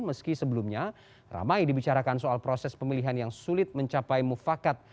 meski sebelumnya ramai dibicarakan soal proses pemilihan yang sulit mencapai mufakat